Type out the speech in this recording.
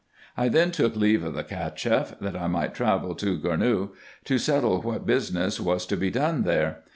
I then took leave of the Cacheff, that I might hasten to Gournou, to settle what business was to be done there.